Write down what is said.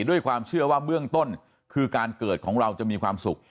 ด้วยความเชื่อว่าเบื้องต้นคือการเกิดของเราจะมีความสุข